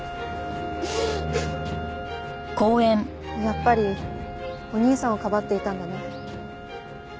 やっぱりお兄さんをかばっていたんだね。